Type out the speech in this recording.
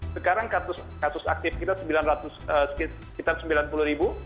sekarang kasus aktif kita sekitar sembilan puluh ribu